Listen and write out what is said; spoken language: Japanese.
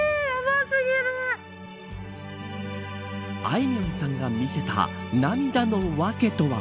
あいみょんさんが見せた涙のわけとは。